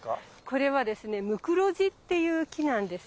これはですねムクロジっていう木なんです。